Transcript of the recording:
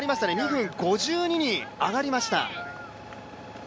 ２分５２に上がりました。